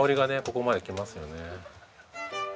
ここまで来ますよね。